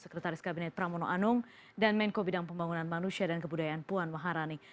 sekretaris kabinet pramono anung dan menko bidang pembangunan manusia dan kebudayaan puan maharani